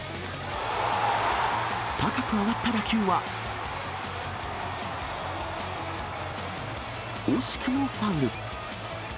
高く上がった打球は、惜しくもファウル。